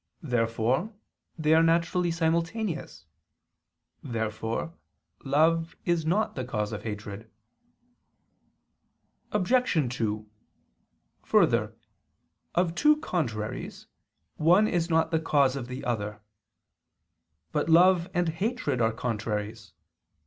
Therefore they are naturally simultaneous. Therefore love is not the cause of hatred. Obj. 2: Further, of two contraries, one is not the cause of the other. But love and hatred are contraries.